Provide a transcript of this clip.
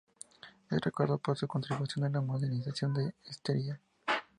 Es recordado por su contribución a la modernización de Estiria.